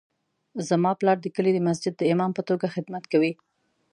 زما پلار د کلي د مسجد د امام په توګه خدمت کوي